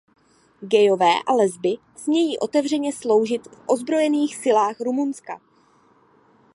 Gayové a lesby smějí otevřeně sloužit v Ozbrojených silách Rumunska.